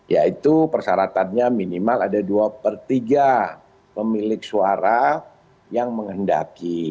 yaitu persyaratannya minimal ada dua per tiga pemilik suara yang menghendaki